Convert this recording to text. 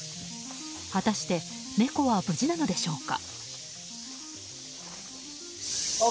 果たして猫は無事なのでしょうか。